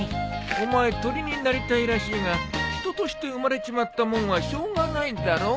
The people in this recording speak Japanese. お前鳥になりたいらしいが人として生まれちまったもんはしょうがないだろ。